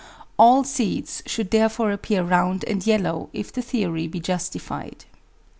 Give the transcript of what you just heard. All seeds should therefore appear round and yellow, if the theory be justified.